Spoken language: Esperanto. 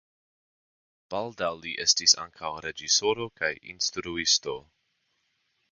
Baldaŭ li estis ankaŭ reĝisoro kaj instruisto.